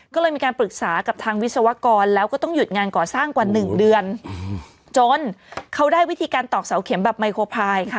ก็เลยมีการปรึกษากับทางวิศวกรแล้วก็ต้องหยุดงานก่อสร้างกว่าหนึ่งเดือนจนเขาได้วิธีการตอกเสาเข็มแบบไมโครพายค่ะ